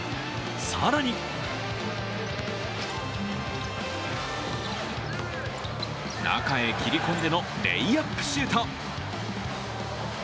更に中へ切り込んでのレイアップシュート。